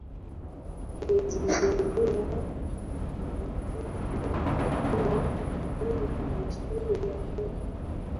kimejizolea umaarufu mkubwa kutokana na historia kubwa